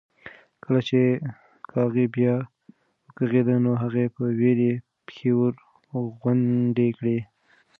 کله چې کاغۍ بیا وکغېده نو هغې په وېره پښې ورغونډې کړې.